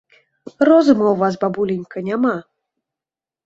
Розуму ў вас, бабуленька, няма.